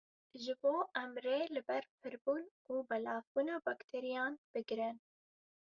Ji bo em rê li ber pirbûn û belavbûna bakteriyan bigirin.